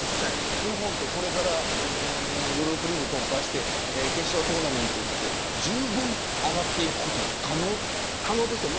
日本はこれからグループリーグを突破して決勝トーナメントってじゅうぶん上がっていくことは可能ですか。